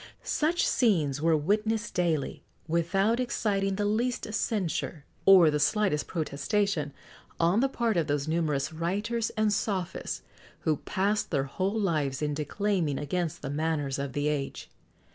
Such scenes were witnessed daily, without exciting the least censure, or the slightest protestation, on the part of those numerous writers and sophists, who passed their whole lives in declaiming against the manners of the age.